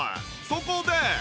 そこで